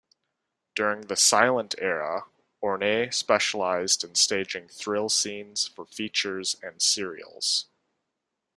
During the silent-era Horne specialized in staging thrill scenes for features and serials.